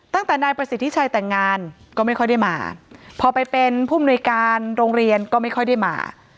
ตั้งแต่นายประสิทธิชัยแต่งงานก็ไม่ค่อยได้มาพอไปเป็นผู้มนุยการโรงเรียนก็ไม่ค่อยได้มา